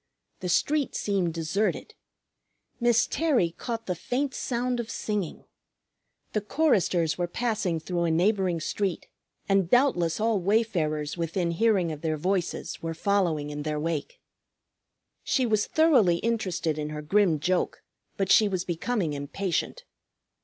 The street seemed deserted. Miss Terry caught the faint sound of singing. The choristers were passing through a neighboring street, and doubtless all wayfarers within hearing of their voices were following in their wake. She was thoroughly interested in her grim joke, but she was becoming impatient.